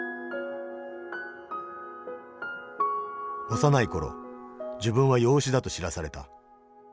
幼い頃自分は養子だと知らされた。